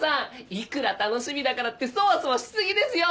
いくら楽しみだからってソワソワしすぎですよ！